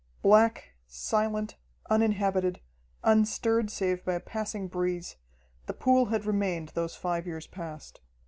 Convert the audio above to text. Black, silent, uninhabited, unstirred save by a passing breeze, the pool had remained those five years past.